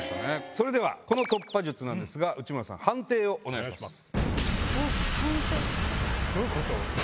それではこの突破術内村さん判定をお願いします。